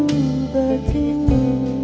ke tempat itu